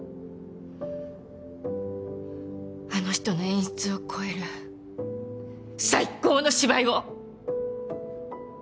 あの人の演出を超える最高の芝居を。